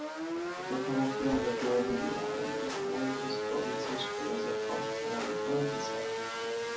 დედაქალაქია რეჯო-ემილია, რომელიც ამავე დროს პროვინციის ყველაზე ხალხმრავალი ქალაქიცაა.